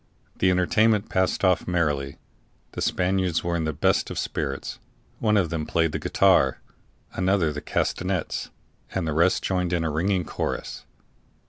The entertainment passed off merrily. The Spaniards were in the best of spirits; one of them played the guitar, another the castanets, and the rest joined in a ringing chorus.